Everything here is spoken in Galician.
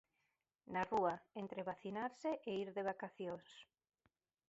Na rúa, entre vacinarse e ir de vacacións...